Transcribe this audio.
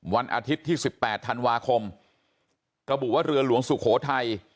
วันอาทิตย์ที่๑๘ธันวาคมระบุว่าเรือหลวงสุโขทัย